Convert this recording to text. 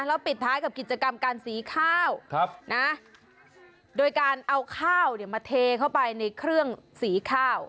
แล้วปิดท้ายกับกิจกรรมการสีข้าวนะโดยการเอาข้าวมาเทเข้าไปในเครื่องสีข้าว